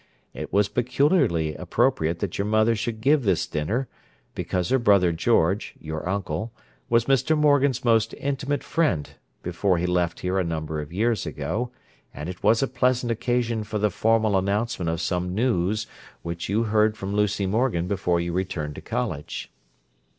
It was peculiarly appropriate that your mother should give this dinner, because her brother George, your uncle, was Mr. Morgan's most intimate friend before he left here a number of years ago, and it was a pleasant occasion for the formal announcement of some news which you heard from Lucy Morgan before you returned to college.